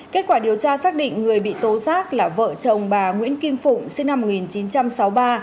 kết quả điều tra xác định người bị tố giác là vợ chồng bà nguyễn kim phụng sinh năm một nghìn chín trăm sáu mươi ba